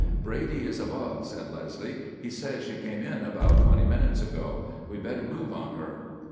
"Brady is above," said Leslie. "He says she came in about twenty minutes ago. We had better move on her."